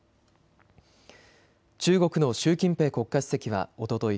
中国の習近平国家主席はおととい